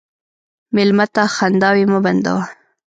مېلمه ته خنداوې مه بندوه.